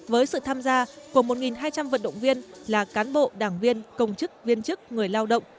với sự tham gia của một hai trăm linh vận động viên là cán bộ đảng viên công chức viên chức người lao động